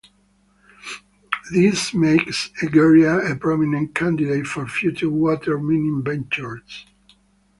This makes Egeria a prominent candidate for future water-mining ventures.